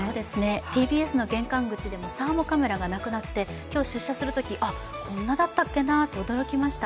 ＴＢＳの玄関口でもサーモカメラがなくなって今日出社するとき、こんなだったけなと驚きました。